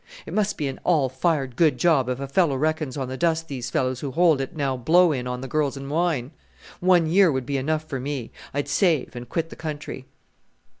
It must be an all fired good job if a fellow reckons on the dust these fellows who hold it now blow in on the girls and wine. One year would be enough for me: I'd save, and quit the country."